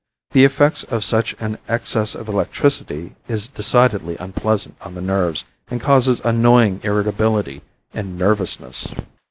The effects of such an excess of electricity is decidedly unpleasant on the nerves, and causes annoying irritability and nervousness.